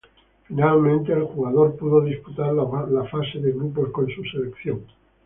Finalmente el jugador pudo disputar la fase de grupos con su selección.